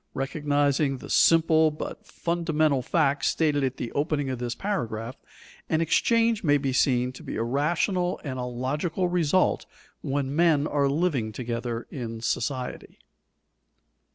Recognizing the simple but fundamental fact stated at the opening of this paragraph, an exchange may be seen to be a rational and a logical result when men are living together in society.